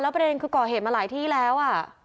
ประเด็นคือก่อเหตุมาหลายที่แล้ว